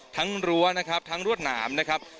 รั้วนะครับทั้งรวดหนามนะครับ